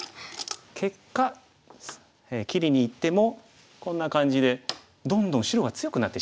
結果切りにいってもこんな感じでどんどん白が強くなってしまう。